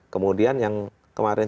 kemudian yang kemarin